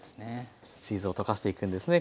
チーズを溶かしていくんですね。